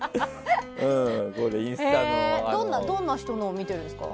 どんな人のを見ているんですか？